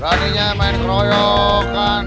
wah beraninya main keroyokan